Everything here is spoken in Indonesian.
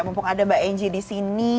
mumpung ada mbak engi disini